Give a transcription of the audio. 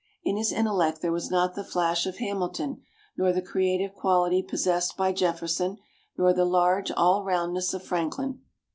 In his intellect there was not the flash of Hamilton, nor the creative quality possessed by Jefferson, nor the large all roundness of Franklin.